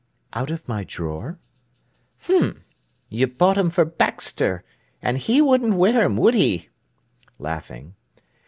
"Out of my drawer." "H'm! You bought 'em for Baxter, an' he wouldn't wear 'em, would he?"—laughing.